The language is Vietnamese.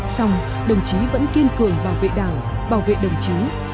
xong đồng chí vẫn kiên cường bảo vệ đảng bảo vệ đồng chí